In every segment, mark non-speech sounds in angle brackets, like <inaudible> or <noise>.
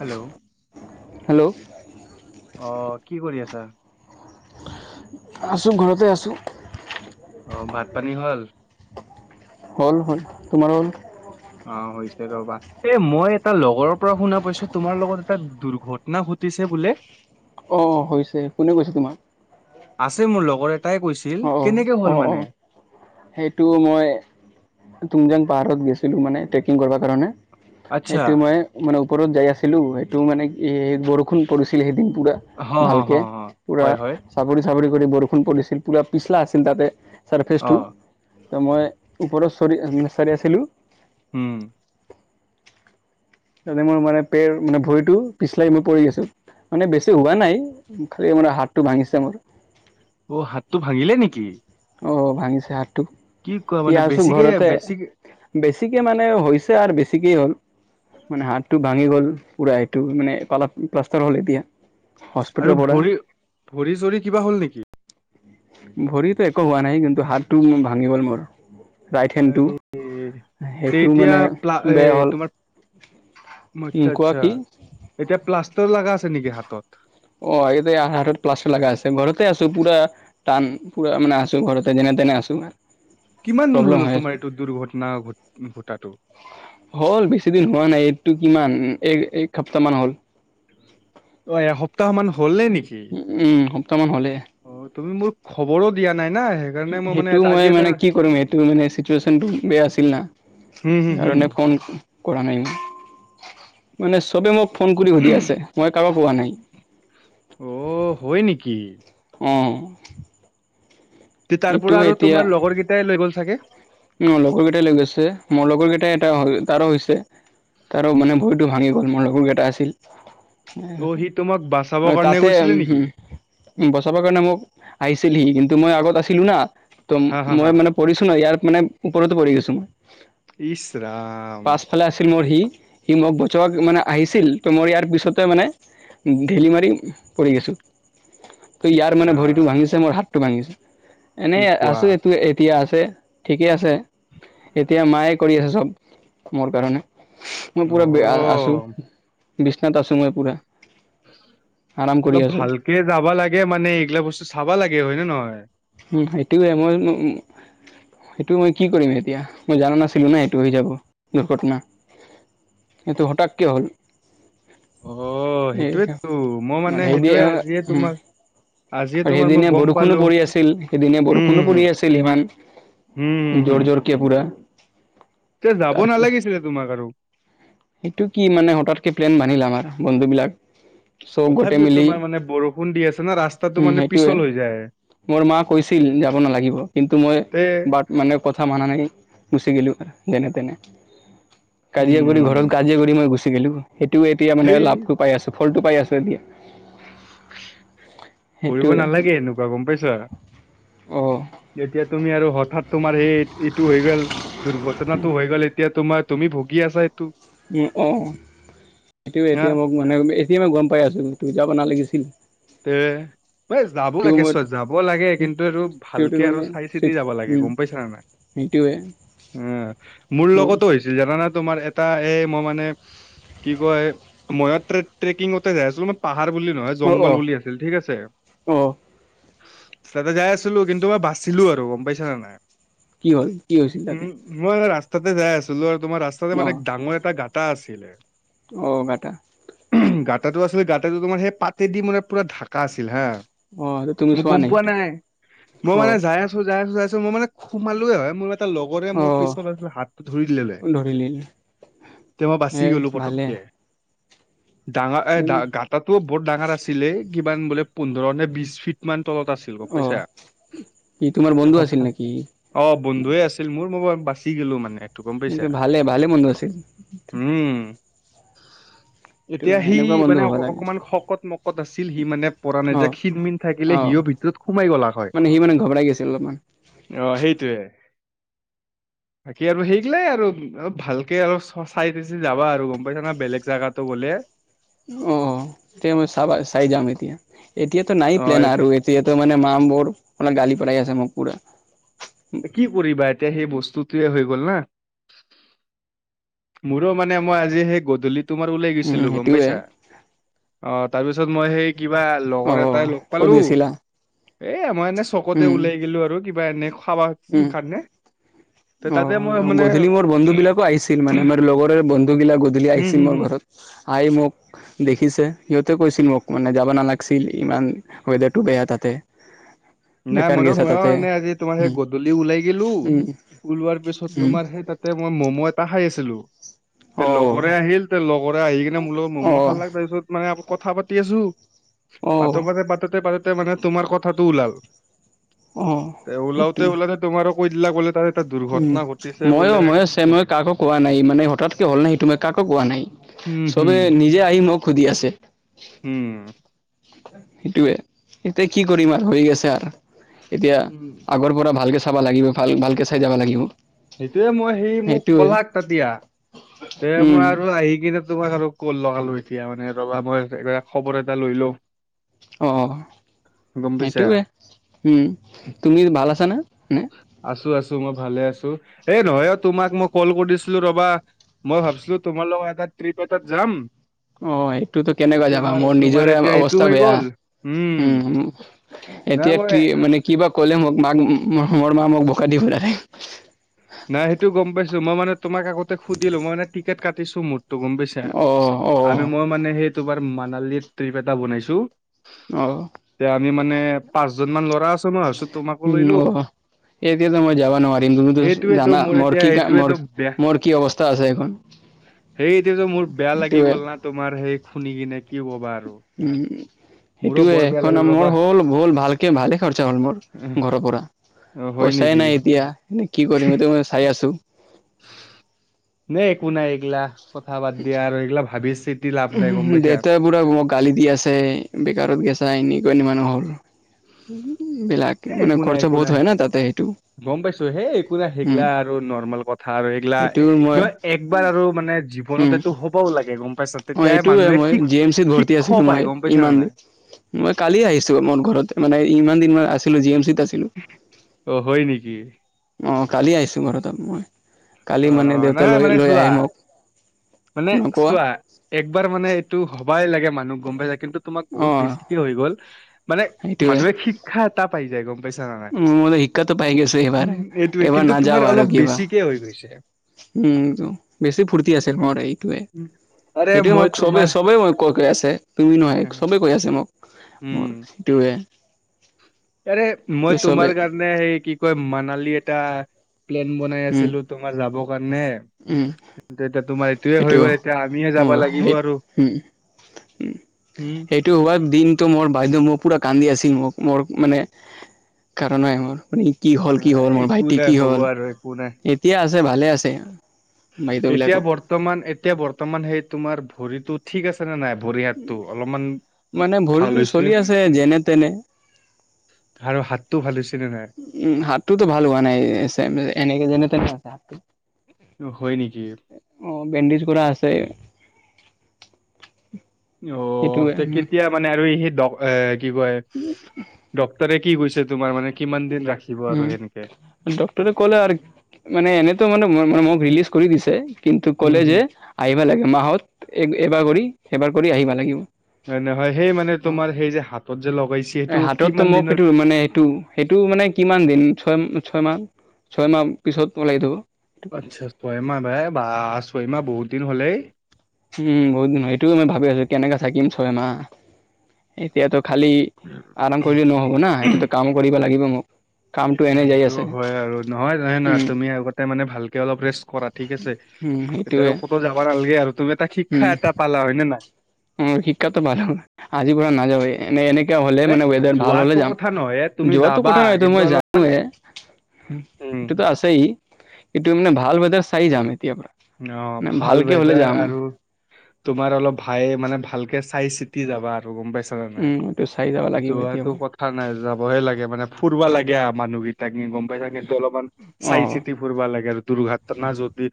Hello hello অ, কি কৰি আছা? আছোঁ ঘৰতে আছোঁ। অ, ভাত পানী হল? হ'ল হ'ল তোমাৰ হ'ল? অ, হৈছে ৰ'বা। এ মই এটা লগৰৰ পৰা শুনা পাইছোঁ তোমাৰ লগত এটা দুৰ্ঘটনা ঘটিছে বোলে? অ, হৈছে কোনে কৈছে তোমাৰ? আছে মোৰ লগৰ এটাই কৈছিল। অঁ অঁ কেনেকে অঁ হল অঁ মানে? সেইটো মই তুংজাং পাহাৰত গৈছিলো মানে, ট্ৰেকিং কৰিব কাৰণে, আচ্ছা সেইটো মই মানে ওপৰত যাই আছিলো সেইটো মানে কি বৰষুণ পৰিছিল সেইদিন পুৰা, হ হ হ ভালকে হ পুৰা হয় হয় চাপৰি চাপৰি কৰি বৰষুণ পলিছিল পূৰা পিছলা আছিল তাতে অ ছাৰ্ফেচটো। তো মই ওপৰত চৰি চাৰি আছিলোঁ। উম, মে মোৰ মানে পেৰ মানে ভৰিটো পিছলাই মই পৰি আছো। মানে বেছি হোৱা নাই খালি মানাৰ হাতটো ভাঙিছে মোৰ। অ, হাতটো ভাঙিলে নেকি? অ, ভাঙিছে হাতটো কি কোৱা মানে এতিয়া আছোঁ বেছিকে ঘৰতে। বেছিকে বেছিকে মানে হৈছে আৰু বেছিকে হ'ল। মানে হাত টো ভাঙি গ'ল পুৰা এইটো মানে পা প্লাষ্টাৰ হ'ল এতিয়া। হস্পিটেলৰ আৰু পৰা ভৰি, ভৰি চৰি কিবা হ'ল নেকি? ভৰিতো একো হোৱা নাই কিন্তু হাতটো ভাঙি গ'ল মোৰ। ৰাইট হেণ্ডটো ৰে তে সেইটো তেতিয়া মানে প্লা এ বেয়া হ'ল তোমাৰ উম, আচ্ছা, কোৱা আচ্ছা, কি এতিয়া প্লাষ্টাৰ লগা আছে নেকি হাতত। অ' ইয়াতে প্লাষ্টাৰ লগা আছে ঘৰতে আছো পোৰা। টান পুৰা মানে আছোঁ ঘৰতে যেনে তেনে আছোঁ। কিমান দূৰ হ'ল তোমাৰ এইটো দুৰ্ঘটনাট ঘটাটো। হ'ল বেছি দিন হোৱা নাই। এইটো কিমান এক এক সপ্তাহ মান হ'ল। অ' এসপ্তাহ মান হ'ল নে নেকি। উম, উম, এসপ্তাহমান হ'লে। অ' তুমি মোৰক খবৰো দিয়া নাই না। সেইকাৰণে মানে সেইটো এটা আজি মই এটা মানে কি কৰিম। সেইটো মানে চিটুৱেশচনটো বেয়া আছিল না। হম হম হম সেইকাৰণে ফোন কৰা নাই মানে চবে মোক। ফোন কৰি সুধি আছে মই কাকো কোৱা পোৱা নাই। অ' হয় নেকি। অহ' তাৰ পৰা আৰু তোমাৰ লগৰ কেইটাই লৈ গ'ল চাগে। উম, লগৰ কেইটাই লৈ গৈছে। মোৰ লগৰ কেইটাই এটা তাৰো হৈছে। তাৰো মানে ভৰিতটো ভাঙি গ'ল মোৰ লগৰ কেইটা আছিল। অ সি তোমাক বাচাব কাৰণে তাতে, গৈছিলে নেকি উম। বচাব কাৰণে মোক আহিছিলেহি, কিন্তু মই আগত আছিলো না ত' হা হা হা মই মানে পৰিছো ন ইয়াৰ। মানে ওপৰতো পৰি গৈছোঁ। মই ইচ ৰাম পাছ ফালে আছিল মোৰ সি সি মই বছক মানে আহিছিল তো মোৰ ইয়াৰ পিছতে মানে ধেলি মাৰি পৰি গৈছোঁ। তো ইচ ইয়াৰ মানে ভৰিতটো ৰাম ভাঙিছে মোৰ হাতটো ভাঙিছে কি এনেই কোৱা আছো। এইটো এতিয়া আছে। ঠিকে আছে, এতিয়া মায়ে কৰি আছে চ'ব মোৰ কাৰণে। মই অ পোৰা আছোঁ, বিচনাাত আছো মই পোৰা। অলপ ভালকে যাবা লাগে মানে এইগিলা বস্তু চাবা লাগে হয় নে নহয়। উম, সেইটোৱে মই উম, উম। সেইটো মই কি কৰিম এতিয়া। মই জানা নাছিলো না সেইটো হৈ যাব দুৰ্ঘটনা। এইটো হঠাৎকে হ'ল। অ সেই সেইটোয়েতো মই মানে হেই সেইটোয়ে দিয়েহ আজিয়ে উম। তোমাক আজি আৰু তোমাৰ মই সেইদিনা গম বৰষুণো পালো পৰি আছিল। সেইদিনা হম হম বৰষুণো হম পৰি আছিল সিমান। হম জোৰ জোৰকে পোৰা। এ যাব নালাগিছিলে তোমাক আৰু। সেইটো কি মানে হতাৎকে প্লেইন বান্ধিলে আমাৰ বন্ধু বিলাক। চব গোটেই তথাপিও, মিলি তোমাৰ মানে বৰষুণ দি আছে না ৰাস্তাতটো উম মানে সেইটোয়ে পিছল হৈ যায়। মোৰ মা কৈছিল যাব নালাগিব, কিন্তু মই তে বাট। মানে কথা মান নাই গুচি গিলো যেনে তেনে কাজিয়া কৰি উম ঘৰত। কাজিয়া কৰি মই গুচি গলো, সেইটোও এতিয়া মানে সেই লাভটো পাই আছোঁ, ফলটো পাই আছো এতিয়া। <unintelligible> <unintelligible> কৰিব নালাগে এনেকুৱা গ'ম পাইছা। অ এতিয়া তুমি আৰু হঠাৎ তোমাৰ সেই এইটো হৈ গ'ল দুৰ্ঘটনাটো হৈ গ'ল এতিয়া তোমাৰ। তুমি ভুগি আছা এইটো। উম, অ' সেইটোয়ে হা এতিয়া মই। মানে এতিয়া মই গ'ম পাই আছোঁ। তোৰ যাব নালাগিছিল। টে এই যাব তোৰ লাগে চ'ব মই যাব লাগে, কিন্তু আৰু তেওঁটো ভালকে আৰু চাই চিতি যাব লাগে গ'ম পাইছা নাই। এইটো উম, মোৰ লগতো হৈছিল জানানা তোমাৰ এটা এই মই মানে। কি কয় ময়তো ট্ৰেকিংতে যাই আছিলোঁ, মই পাহাৰ বুলি নহয়। অ জংগল বুলি আছিল ঠিক আছে। অ তাতে যাই আছিলো, কিন্তু মই বাচছিলিলো আৰু গম পাইছা নে নাই। কি হ'ল, কি হৈছিল তাতে। উম, মই ৰাস্তাতে যাই আছিলো, আৰু তোমাৰ ৰাস্তাতে অ মানে ডাঙৰ এটা গাটা আছিলে। অ, গাটা। গাতাটো আছিল গাতাটো তোমাৰ সেই পাতেদি মানে পুৰা ঢাকা আছিল হা। অ তুমি মোক চোৱা গম পোৱা সেইটো নাই, মই অ মানে যাই আছো যাই আছো যাই আছো মই মানে সোমালো হয়, মোৰ এটা লগ লগৰে অ মোৰ পিছত আ হাতটো ধৰি দিলে, ধৰিলি তে মই বাছি এ গলো ভালে পতকে। ডাঙা, এা গাটাটো বৰ ডাঙৰ আছিলে কিমান বোলে, পোন্ধৰ নে বিশ ফিট মান তলত আছিল। গম অ, পাইছা। ই তোমাৰ বন্ধু আছিল হঠাৎ নেকি। অ, বন্ধুৱে আছিল মোৰ ম বাছি গলো মানে একটো কম পাইছা। ভালে ভালে বন্ধু আছিল উম, এতিয়া সি সেনেকুৱা বন্ধু মানে অ হ'ব লাগে অকমান খ মকত আছিল সি মানে। পৰা নাই অ যে ক্ষণমিন থাকিলে অ সিও ভিতৰত সোমাই গ'লা হয়। মানে সি মানে ঘবৰাই গৈছিল অলপমান আহ সেইটোৱে। বাকী আৰু সেইগিলাই আৰু অলপ ভালকে অলপ চচাই চচি যাবা আৰু গম, পাইছা না বেলেগ জাগাতো গ'লে। অ, এতিয়া মই চাবা চাই যাম এতিয়া এতিয়াতো নাই অ প্লেন আৰু। সিহেতত মানে মা বোৰৰ মাৰ গালি পেলাই আছে মোক পুৰা। কি কৰিবা এতিয়া সেই বস্তুটয়ে হৈ গ'ল না। মোৰো মানে মই আজি সেই গধূলি তোমাৰ ওলাই উম, গৈছিলো গম সেইটোৱে পাইছা। অ, তাৰপিছত মই সেই কিবা লগৰ অ', এটাই লগ ক'ত পালো। গৈছিলা? এ, আমই এনে চকতে উম, উলাই গিলো আৰু কিবা এনে খাবা। উম। খানে ত, তাতে মই অ', মানে। গধূলি মোৰ বন্ধু বিলাকো আহিছিল মানে মোৰ লগৰৰে বন্ধু গিলাক গধূলি হম আহিছিল হম মোৰ হম ঘৰত, আহই মোক। দেখিছে সিহঁতে কৈছিল মোক মানে যাব নালাগিছিল ইমান ৱেডাৰটো বেয়া তাতে। নাই বেকাৰ মোৰো গেছা মইো তাতে মানে আজি তোমাৰ সেই উম, গধূলি। ওলাই গিলো উম, ওলোৱাৰ পিছত উম। তোমাৰ সেই তাতে মই ম'ম' এটা খাই আছিলো। তে অ', লগৰে আহিল তে লগৰে আহি কিনে মো লগত ম'ম' অ', খাল লাগ তাৰপিছত মানে। কথা পাতি আছো অ', পাতে পাতে পাতোতে পাতোতে মানে তোমাৰ কথাাতটো ওলাল। উম, তে, ওলওতেওলতে তোমাৰো কৈ দিলা গ'লে। উম, মইয়ো মই আছে মই কাকো কোৱা নাই, মানে হঠাৎকৈ হ'ল ন সেইটো মই কাকো কোৱা নাই। হম সবে নিজে আহি মোক সুধি আছে। উম, সেইটোয়ে এতিয়া কি কৰিম আৰু হৈ গৈছে আৰু। এতিয়া হম আগৰ পৰা ভালকে চাবা লাগিব, ভাল ভালকে চাই যাবা লাগিব। সেইটোয়ে মই সেই মোক সেইটোৱে ক'লাক ততিয়া তে মই উম আৰু আহি কিনে। তোমাক আৰু কল লগালোঁ এতিয়া মানে ৰ'বা মই খবৰ এটা লৈ লওঁ। অ, গম পাইছা সেইটোৱে উম, তুমি ভাল আছা আছানে। নে আছোঁ, আছোঁ মই ভালে আছোঁ এই নহয় অ, তোমাক মই কল কৰিছিলোঁ ৰ'বা। মই ভাবিছিলোঁ তোমাৰ লগৰ এটা ট্ৰিপ এটাত যাম। অ, এইটোতো তে কেনেকুৱা যাবা তোমাৰ মোৰ তোমাৰ নিজৰে এতিয়া এইটো অৱস্থা হৈ বেয়া। গ'ল উম, নাই এতিয়া মই কি মানে কিবা ক'লে মাক মোৰ মা মোক বোকা <unintelligible> নাই সেইটো গম পাইছোঁ মই মানে তোমাক আগতে সুধিলোঁ, মই মানে টিকট কাটিছো মোৰ। ত গম পাইছা, অ অ আমি মই মানে সেই তোমাৰ মানালীৰ ট্ৰিপ এটা বনাইছোঁ। অ, এয়া আমি মানে পাঁচজন মান ল'ৰা আছ মই ভাৱিছোঁ তোমাকো লৈ উম অ লওঁ। এতিয়াতো মই যাব নোৱাৰিম তুমিতো সেইটোয়েতো জানা মোৰ এতিয়া কি কা মোৰ সেইটোয়েতো বেয়া মোৰ কি অৱস্থা আছে এখন সেইটোয়েতো মোৰ বেয়া লাগি সেইটোৱে গ'ল না তোমাৰ সেই শুনি কিনে কি ক'বা আৰু উম, উম। মোৰো সেইটোয়ে বৰ বেয়া লাগিল <unintelligible> মোৰ ৰ'বা হ'ল, হ'ল ভালকে ভালে খৰচা হ'ল মোৰ উম, ঘৰৰ পৰা। অ হয় পইচাই নেকি নাই এতিয়া এ কি কৰিম এইটো চাই আছোঁ। নে একো নাই এইগিলা কথা বাদ দিয়া আৰু এইগিলা ভাৱিছিত উ, দেউতাই পুৰা মেকে গালি দি আছে বেকাৰত গেছা <unintelligible> এনে মানুহ হ'ল। <unintelligible> বিলাক এ, মানে একো নাই খৰচা একো বহুত নাই হয় না তাতে সেইটো গম পাইছো হে একো নাই উম, সেগলা আৰু নৰ্মেল ক থা আৰু এইগিলা সেইটো ন, মই একবাৰ আৰু মানে জীৱনত এইটো হ'বও লাগে গম পাইছা। অ, তেতিয়াই এইটো মানুহে মই শিক জি এম চিত ভৰ্তি শিক্ষ আছিলোঁ পায় মই গম পাইছা নে নাই ইমানদিন মই কালি আহিছোঁ মোৰ ঘৰত মানে ইমান দিনমান আছিলোঁ জি এম চিত আছিলোঁ। অ, হয় নেকি। অ, কালি আহিছোঁ ঘৰত মই। অ কালি মানে দেউতা নহয় লৈ, মানে লৈ চোৱা আহি মানে মোক নকোৱা চোৱা একবাৰ মানে এইটো হবাই লাগে মানুহ গম পাই যায় কিন্তু। তোমাক বহুত অ'। বেছিকে হৈ গ'ল মানে সেইটোৱে মানুহে শিক্ষাত পাই যায়, গম পাইছা নে নাই মোৰ শিক্ষাটো পাই গৈছো এইবাৰ উম, এইটোৱে এইবাৰ কিন্তু তোমাৰ নাযাওঁ আৰু অলপ কিবা বেছিকে হৈ গৈছে। উম, বেছি ফূৰ্তি আছিল মোৰ এইটোৱে উম, আৰে সেইটোৱে মই মোক তোমাৰ চবেই, সবেই মই কৈ, কৈ আছে তুমি নহয় চবেই কৈ আছে মোক উম মোৰ সেইটোৱে। আৰে মই চবে তোমাৰ কাৰণে সেই কি কয় মানালী এটা প্লেন বনাই উম আছিলোঁ তোমাৰ যাব কাৰণে। উম কিন্তু এতিয়া তোমাৰ এইটোয়ে সেইটো হৈ গ'ল এতিয়া আমিয়ে অ যাবা লাগিব সেই আৰু। উম উম। সেইটো হোৱা দিনটো মোৰ বাইদেউ মোৰ পুৰা কান্দি আছিল মোক মোৰ মানে কাৰণাই মোৰ ম, কি হ'ল কি এ হ'ল মোৰ একো ভাইটি নাই কি হ'ব হ'ল আৰু একো নাই এই এতিয়া আছে, ভালে আছে। বাইদেউ এতিয়া বিলাকো বৰ্তমান, এতিয়া বৰ্তমান সেই তোমাৰ ভৰিটোত ঠিক আছে নে নাই ভৰি হাতটো অলপমান মানে ভৰিতো ভাল হৈছে। চলি আছে যেনে তেনে আৰু হাতটো ভাল হৈছে নে নাই। উম, হাতটোতো ভাল হোৱা নাই <unintelligible> এনেকে যেনে তেনে আছে হাতটো। হয়, নেকি। অ, বেণ্ডেজ কৰা আছে। অ, সেইটোৱে উম, কেতিয়া মানে আৰু সেই ড, এ কি কয় ডক্টৰে কি গৈছে তোমাৰ মানে কিমান দিন ৰাখিব আৰু সেনেকে ড্টৰে ক'লে আৰু মানে এনেতো মানে মোক ৰিলিজ কৰি দিছে কিন্তু উম ক'লে হম যে আহিব লাগে মাহত এবাৰ কৰি সেইবাৰ কৰি আহিব লাগিব। হয়, নহয় সেই মানে তোমাৰ সেই যে হাতত যে লগাইছে সেইটো অ' হাততো কিমান মোক দিনৰ সেইটো মানে সেইটো। সেইটো মানে কিমান দিন ছয়, ছয়, মাহ ছয় মাহ পিছত ওলাই থ'ব। আচ্ছা ছয়মাহ ভাই বা ছয়মাহ বহুত দিন হ'লেই। উম, বহুত দিন সেইটোয় মই ভাবি আছো কেনেককাে থাকিম ছয় মাহ এতিয়াতো খালি <inaudible> আৰাম কৰিলে নহ'ব না সেইটোতো কামো কৰিব লাগিব মোক কামটো এতিয়া এনে যাই সেইটো আছে। হয় আৰু নহয়, নহয়, নহয় উম, তুমি আগতে মানে ভালকে অলপ ৰেষ্ট কৰা ঠিক আছে। উম, এতিয়া সেইটোৱে আৰু ক'তো যাব নালাগে আৰু তুমি এটা শিক্ষা উম, এটা পালা হয় নে নাই। <unintelligible> শিক্ষাটো পালো আজিৰ পৰা নযাৱে। এ, এনেককাে হলে নে মানে ৱেডাৰ ভাল হলে যোৱাটো যাম কথা নহয় তুমি যোৱাতটো যাবা কথা নহ তো কিন্তু মই অলপ জানো উম এইটোতো আছে কিটো এম ভাল বজাৰ চাই যাম এতিয়ায় পৰা, পৰা অহ, ভাল ৱেদাৰ আৰু তোমাৰ অলপ ভাই মানে ভালকে চাই চিতি যাবা আৰু গম পাইছা। পাইছা নাই, উম, এইটো চাই যাব লাগিব এতিয়া যোৱাটো পৰা। কথা নাই যাবহে লাগে মানে ফুুৰবা লাগে আহ মানুহকেইটাক নি গম পাইছা কিন্তু অলপমান অ', চাই-চিতি কৰিব লাগে আৰু দুৰ্ঘটনা যদি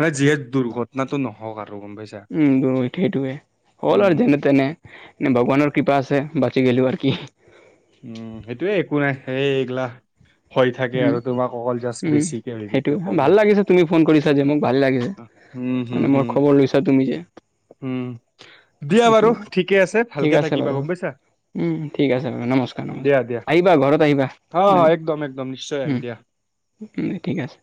মানে যিহেতু দুৰ্ঘটনাটো নহওঁক আৰু গম পাইছা। উম, ৰাইট সেইটোৱে হ'ল আৰু উম যেনে-তেনে নে ভগৱানৰ কৃপা আছে বাচি গ'লোঁ আৰু কি। উম, সেইটোয়ে একো নাই এই এইগিলা। হৈ থাকে উম', আৰু তোমাক অকল জাষ্ট উম'। বেছিকে হৈ সেইটো গৈছে ভাল অকমান লাগিছে তুমি ফোন কৰিছা যে মোক, ভাল লাগিছে। উম হম মানে মোৰ হম খবৰ লৈছা তুমি যে। উম, দিয়া সেইটো বাৰু ঠিকে আছে, ঠিক ভালকে আছে থাকিবা বাৰু। গম পাইছা। ঠিক আছে বাৰু নমস্কাৰ দিয়া দিয়া নমস্কাৰ। আহিবা ঘৰত আহিবা। অ', অ', একদম একদম নিশ্চয় আহিম দিয়া। উম, ঠিক আছে।